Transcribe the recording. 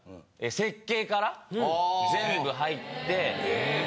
設計から全部入って。